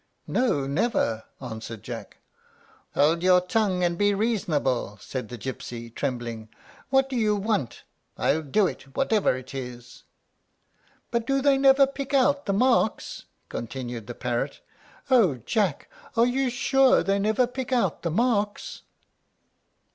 "No, never," answered Jack. "Hold your tongue and be reasonable," said the gypsy, trembling. "What do you want? I'll do it, whatever it is." "But do they never pick out the marks?" continued the parrot. "O Jack! are you sure they never pick out the marks?"